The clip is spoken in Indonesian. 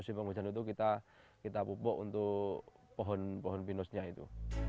kita pupuk juga setiap musim hujan itu kita pupuk untuk pohon pohon pinusnya itu